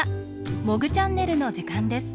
「モグチャンネル」のじかんです。